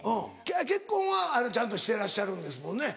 結婚はちゃんとしてらっしゃるんですもんね？